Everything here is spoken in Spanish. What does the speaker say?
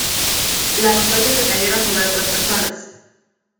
Las sospechas recayeron sobre otras personas.